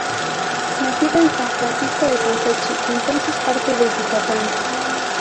Nacido en San Francisco de Campeche, entonces parte de Yucatán.